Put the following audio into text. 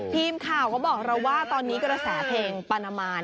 เขาบอกเราว่าตอนนี้กระแสเพลงปานามาน